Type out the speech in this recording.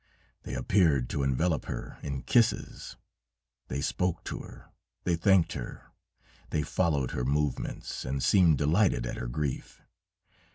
They appeared to envelope her in kisses, they spoke to her, they thanked her, they followed her movements, and seemed delighted at her grief.